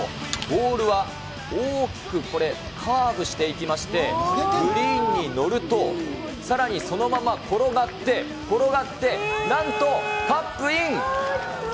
ボールは大きくこれ、カーブしていきまして、グリーンに載ると、さらにそのまま転がって、転がって、なんと、カップイン。